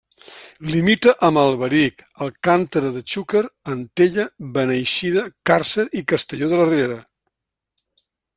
Limita amb Alberic, Alcàntera de Xúquer, Antella, Beneixida, Càrcer i Castelló de la Ribera.